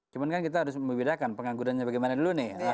cuman kan kita harus membedakan penganggurannya bagaimana dulu nih